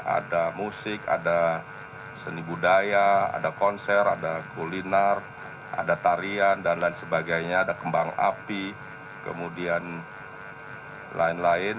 ada musik ada seni budaya ada konser ada kuliner ada tarian dan lain sebagainya ada kembang api kemudian lain lain